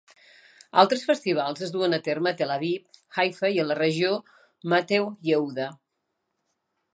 Altres festivals es duen a terme a Tel Aviv, Haifa i la regió Mateh Yehuda.